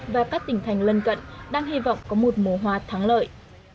và các tỉnh thành lân cận đang hy vọng có một mùa hoa thắng lợi